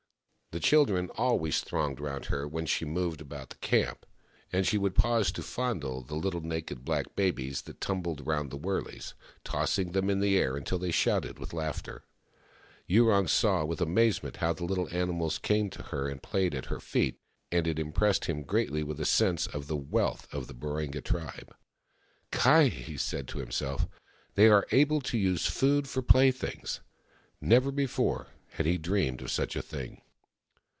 The children always thronged round her when she moved about the camp, and she would pause to fondle the little naked black babies that tumbled round the wurleys, tossing them in the air until they shouted with laughter. Yurong saw with amazement how the little animals came to her and played at her feet, and it impressed him greatly with a sense of the wealth of the Baringa tribe. " Ky !" he said to himself, " they are able to use food for playthings !" Never before had he dreamed of such a thing.